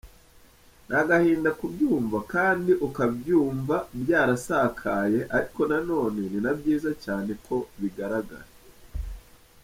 Ni agahinda kubyumva kandi ukabyumva byarasakaye ariko nanone ni na byiza cyane ko bigaragara.